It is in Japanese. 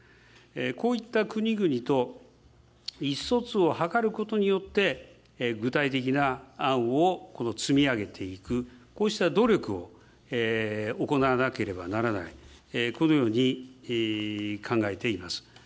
こういった国々と意思疎通を図ることによって、具体的な案を積み上げていく、こうした努力を行わなければならない、このように考えています。